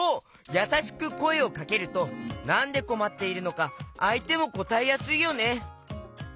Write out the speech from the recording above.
やさしくこえをかけるとなんでこまっているのかあいてもこたえやすいよね！